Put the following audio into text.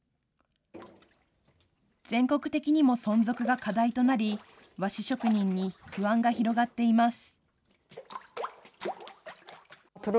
全国的にも存続が課題となり、和紙職人に不安が広がっています。